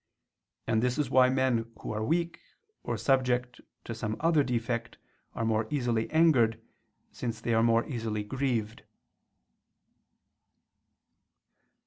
And this is why men who are weak, or subject to some other defect, are more easily angered, since they are more easily grieved.